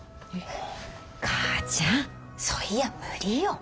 母ちゃんそいや無理よ。